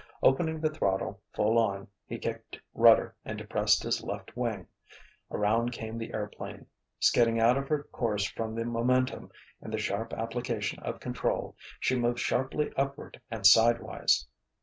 Opening the throttle full on, he kicked rudder and depressed his left wing. Around came the airplane. Skidding out of her course from the momentum and the sharp application of control, she moved sharply upward and sidewise.